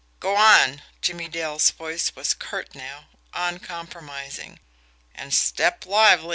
"Go on!" Jimmie Dale's voice was curt now, uncompromising. "And step lively!"